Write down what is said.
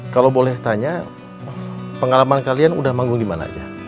kalau boleh tanya pengalaman kalian udah manggung di mana aja